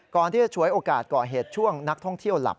ก่อนที่จะฉวยโอกาสเกาะเหตุช่วงนักท่องเที่ยวหลับ